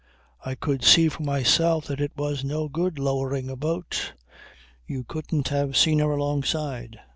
I could see for myself that it was no good lowering a boat. You couldn't have seen her alongside.